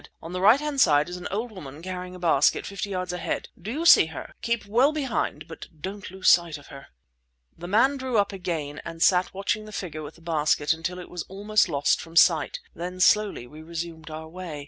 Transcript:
"On the right hand side is an old woman carrying a basket, fifty yards ahead. Do you see her? Keep well behind, but don't lose sight of her." The man drew up again and sat watching the figure with the basket until it was almost lost from sight. Then slowly we resumed our way.